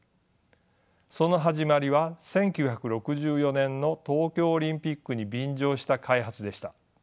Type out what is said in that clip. その始まりは１９６４年の東京オリンピックに便乗した開発でした。